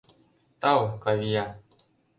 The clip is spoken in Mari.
Тау, Клавия!